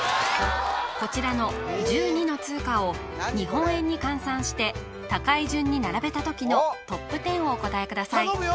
こちらの１２の通貨を日本円に換算して高い順に並べた時のトップ１０をお答えください頼むよ！